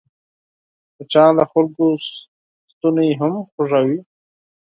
مچان د خلکو ستونی هم خوږوي